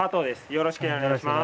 よろしくお願いします。